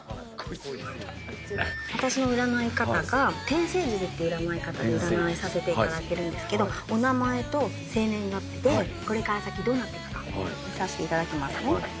天星術っていう占い方で占いさせていただいてるんですけどお名前と生年月日でこれから先どうなっていくか見させていただきますね。